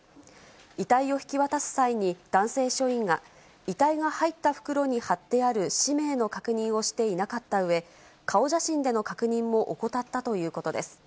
遺体を引き渡す際に男性署員が、遺体が入った袋に貼ってある氏名の確認をしていなかったため、顔写真での確認も怠ったということです。